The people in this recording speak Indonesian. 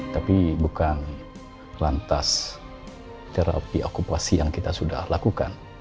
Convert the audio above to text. tapi bukan lantas terapi okupasi yang kita sudah lakukan